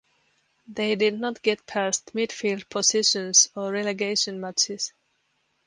They did not get past midfield positions or relegation matches.